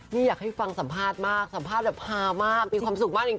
นี่อยากให้ฟังสัมภาษณ์มากสัมภาษณ์แบบฮามากมีความสุขมากจริง